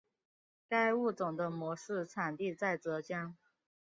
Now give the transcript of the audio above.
该物种的模式产地在浙江。